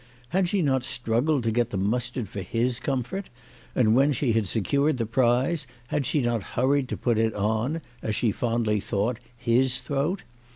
Had she not struggled to get the mustard for his comfort, and when she had secured the prize had she not hurried to put it on, as she had fondly thought, his throat